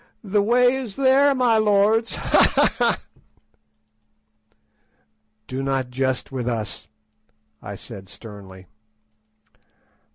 "The way is there, my lords. Ha! ha! ha!" "Do not jest with us," I said sternly.